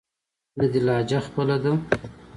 نه دې لهجه خپله ده.